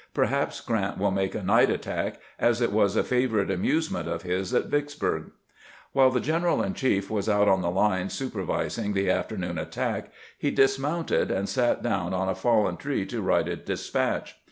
... Perhaps Grant will make a night attack, as it was a favorite amusement of his at Vicksburg." While the general in chief was out on the lines super vising the afternoon attack, he dismounted and sat dowm on a fallen tree to write a despatch.